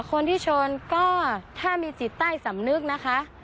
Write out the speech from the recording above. คนที่ชนก็ถ้ามีจิตใต้สำนึกนะคะ